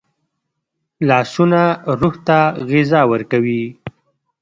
لاسونه روح ته غذا ورکوي